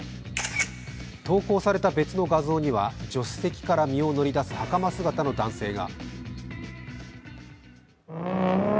投稿された別の画像には助手席から身を乗り出すはかま姿の男性が。